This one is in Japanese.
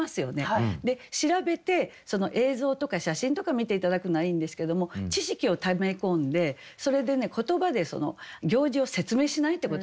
で調べてその映像とか写真とか見て頂くのはいいんですけども知識をため込んでそれでね言葉でその行事を説明しないってことですね。